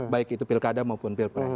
baik itu pilkada maupun pilpres